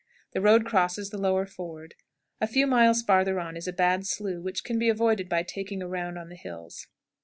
The road crosses the lower ford. A few miles farther on is a bad slough, which can be avoided by taking a round on the hills.